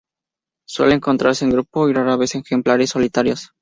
Suele encontrarse en grupo y rara vez ejemplares solitarios.